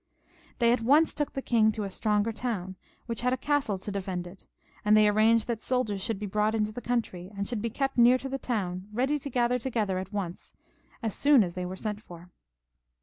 They at once took the king to a stronger town, which had a castle to defend it, and they arranged that soldiers should be brought into the country, and should be ke'pt near to the town, ready to gather together at once as soon as they were sent for.